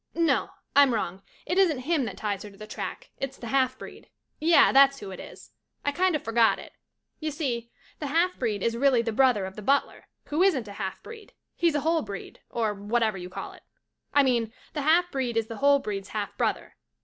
No — I'm wrong, it isn't him that ties her to the track, it's the half breed. Yeh, that's who it is. I kinda forgot it. Y'see, the half breed is really the brother of the butler, who isn't a half breed — he's a whole breed, or whatever you call it — I mean the half breed is the whole breed's half brother.